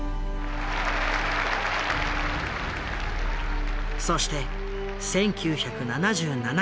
そして１９７７年１月。